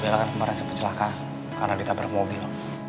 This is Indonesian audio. bella kan merasa pencelaka karena ditabrak mobil